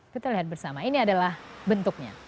kita lihat bersama ini adalah bentuknya